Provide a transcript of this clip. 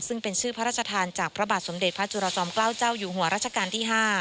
ซึ่งเป็นชื่อพระราชทานจากพระบาทสมเด็จพระจุรจอมเกล้าเจ้าอยู่หัวรัชกาลที่๕